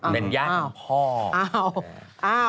เป็นญาติของพ่อ